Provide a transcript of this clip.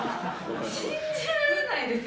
信じられないですよ